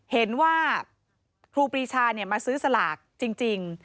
เห็นว่าครูปรีชามาซื้อสลากจริง